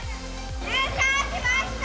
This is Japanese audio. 優勝しました！